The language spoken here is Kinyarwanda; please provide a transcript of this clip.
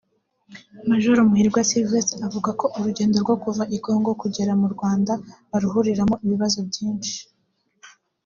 Majoro Muhirwa Sylvestre avuga ko urugendo rwo kuva i Congo kugera mu Rwanda baruhuriramo ibibazo byinshi